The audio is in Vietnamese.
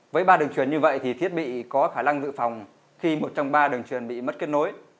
với ba đường truyền như vậy thì thiết bị có khả năng dự phòng khi một trong ba đường truyền bị mất kết nối